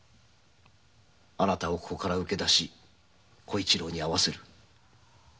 あなたをここから請け出し小一郎に会わせる。